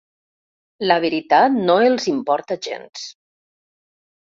La veritat no els importa gens.